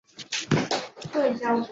叔父瞿兑之。